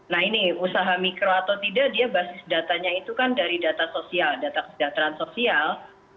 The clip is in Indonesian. nah ini usaha mikro atau tidak dia basis datanya itu kan dari data sosial data kesejahteraan sosial